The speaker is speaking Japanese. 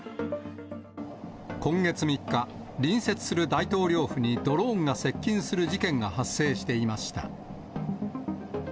今月３日、隣接する大統領府にドローンが接近する事件が発生していました。